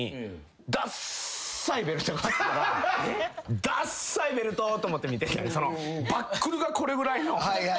ダッサいベルトと思って見ててバックルがこれぐらいの。